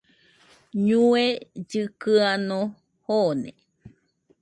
ñue llɨkɨano joone